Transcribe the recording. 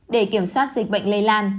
để kiểm soát dịch bệnh lây lan